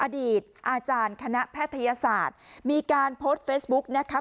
อดีตอาจารย์คณะแพทยศาสตร์มีการโพสต์เฟซบุ๊กนะคะ